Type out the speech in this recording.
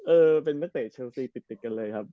เออเป็นนักเตะเชลซีติดกันเลยครับ